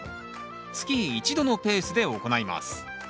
月１度のペースで行います。